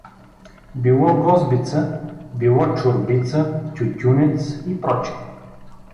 Било гостбица, било чорбица, тютюнец и пр.